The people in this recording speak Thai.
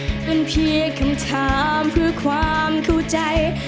นั่นเพียงคำถามเพื่อความเข้าใจ